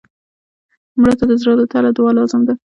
مړه ته د زړه له تله دعا لازم ده